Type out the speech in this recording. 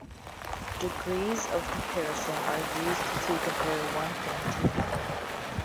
Degrees of comparison are used to compare one thing to another.